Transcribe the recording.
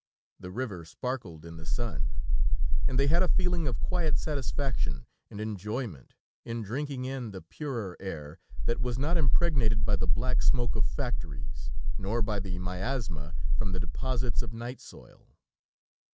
The river sparkled in the sun, and they had a feeling of quiet satisfaction and enjoyment, in drinking in the purer air, that was not impregnated by the black smoke of factories, nor by the miasma from the deposits of night soil.